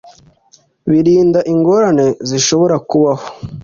birinda ingorane zishobora kubaho